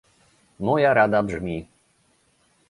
Moja rada brzmi